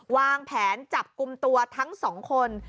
วางแผนจับกลุ่มตัวทั้งสองคน